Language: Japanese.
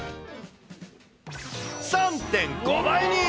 ３．５倍に。